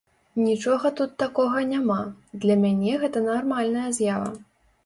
Нічога тут такога няма, для мяне гэта нармальная з'ява.